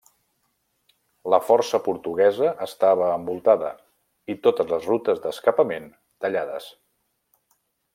La força portuguesa estava envoltada i totes les rutes d'escapament tallades.